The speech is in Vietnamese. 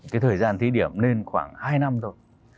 cái thời gian thí điểm nên khoảng hai năm thôi